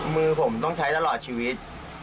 มือผมต้องใช้ตลอดชีวิต